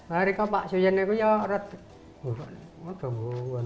menurut wak sekarang non fac recognition